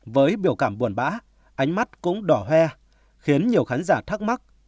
với biểu cảm buồn bã ánh mắt cũng đỏ he khiến nhiều khán giả thắc mắc